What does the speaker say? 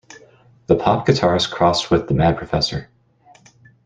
The pop guitarist crossed with the mad professor.